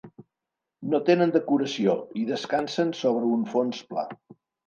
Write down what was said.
No tenen decoració i descansen sobre un fons pla.